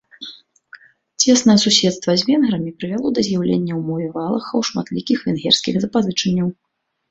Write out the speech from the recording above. Цеснае суседства з венграмі прывяло да з'яўлення ў мове валахаў шматлікіх венгерскіх запазычанняў.